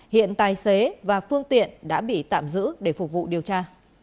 hiện tài xế và phương tiện đã bị tạm giữ để phục vụ điều tra